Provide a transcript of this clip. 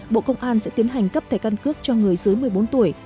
bộ công an sẽ tiến hành cấp thẻ căn cước cho người dưới một mươi bốn tuổi